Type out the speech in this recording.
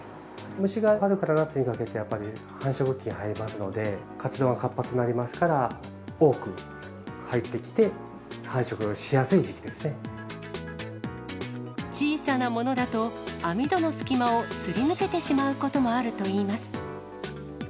虫が春から夏にかけて、やっぱり繁殖期に入りますので、活動が活発になりますから、多く入ってきて、小さなものだと、網戸の隙間をすり抜けてしまうこともあるといいます。